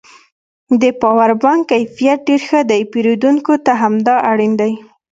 د پاور بانک کیفیت ډېر ښه دی پېرودونکو ته همدا اړین دی